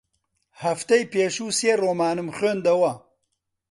هەفتەی پێشوو سێ ڕۆمانم خوێندەوە.